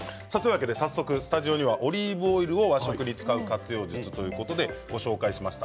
早速スタジオにはオリーブオイルを和食に使う活用術ということでご紹介しました。